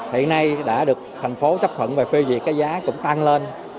hiện nay đã được thành phố chấp thuận và phê duyệt cái giá cũng tăng lên